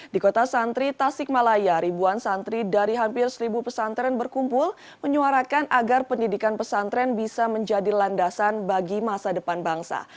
di kota santri tasikmalaya ribuan santri dari hampir seribu pesantren berkumpul menyuarakan agar pendidikan pesantren bisa menjadi landasan bagi masa depan bangsa